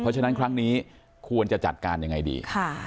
เพราะฉะนั้นครั้งนี้ควรจะจัดการยังไงดี